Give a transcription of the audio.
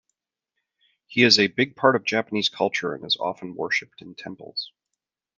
He is a big part of Japanese culture and is often worshiped in temples.